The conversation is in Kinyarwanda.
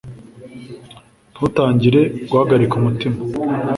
ntutangire guhagarika umutima